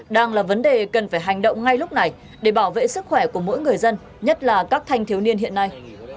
đang là vấn đề cần phải hành động ngay lúc này để bảo vệ sức khỏe của mỗi người dân nhất là các thanh thiếu niên hiện nay